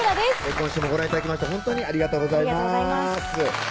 今週もご覧頂きまして本当にありがとうございます